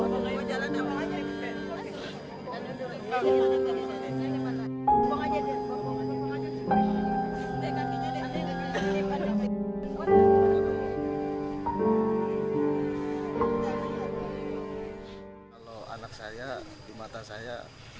kalau anak saya di mata saya